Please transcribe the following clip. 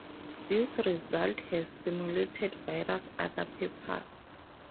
This result has stimulated various other papers.